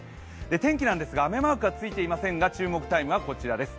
天気なんですが、雨マークはついていませんが注目タイムはこちらです。